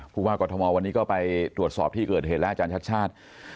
คุณพ่ออธวันนี้ก็ไปตรวจสอบที่เกิดเห็นแล้วอชาติ